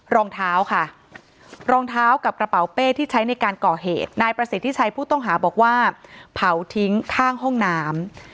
รองเท้าค่ะรองเท้ากับกระเป๋าเป้ที่ใช้ในการก่อเหตุนายประสิทธิชัยผู้ต้องหาบอกว่าเผาทิ้งข้างห้องน้ำ